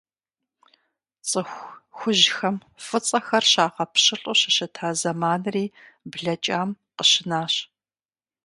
ЦӀыху хужьхэм фӀыцӀэхэр щагъэпщылӀу щыщыта зэманри блэкӀам къыщынащ.